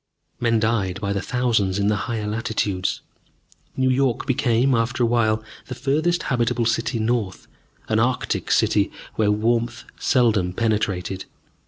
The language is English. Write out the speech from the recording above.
Men died by the thousands in the higher latitudes. New York became, after awhile, the furthest habitable city north, an arctic city, where warmth seldom penetrated.